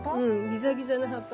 ギザギザの葉っぱ。